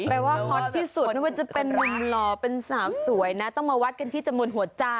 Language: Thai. แปลว่าฮอตที่สุดไม่ว่าจะเป็นนุ่มหล่อเป็นสาวสวยนะต้องมาวัดกันที่จำนวนหัวใจ